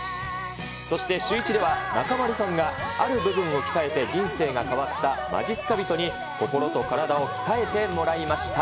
そしてシューイチでは、中丸さんがある部分を鍛えて、人生が変わったまじっすか人にココロとカラダを鍛えてもらいました。